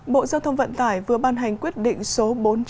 bộ giao thông vận tải vừa ban hành quyết định số bốn trăm chín mươi